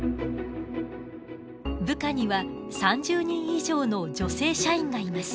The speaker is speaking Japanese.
部下には３０人以上の女性社員がいます。